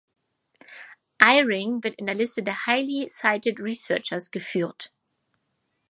Eyring wird in der Liste der Highly Cited Researchers geführt.